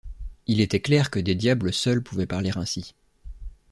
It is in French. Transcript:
Il était clair que des diables seuls pouvaient parler ainsi.